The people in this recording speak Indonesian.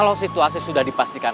kalau situasi sudah dipastikan